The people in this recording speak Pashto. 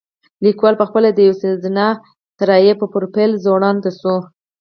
لیکوال پخپله د یوې سیزنا الوتکې په پروپیلر ځوړند شوی